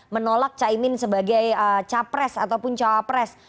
menolak cahimin sebagai capres ataupun capres